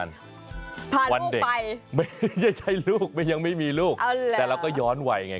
นั่นไม่จริงที่ลุกแต่เราก็ย้อนไหวไง